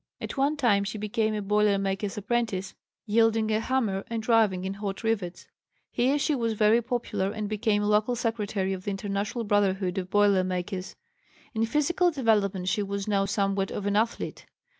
At one time she became a boiler maker's apprentice, wielding a hammer and driving in hot rivets. Here she was very popular and became local secretary of the International Brotherhood of Boiler makers. In physical development she was now somewhat of an athlete.